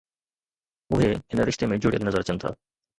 اهي هن رشتي ۾ جڙيل نظر اچن ٿا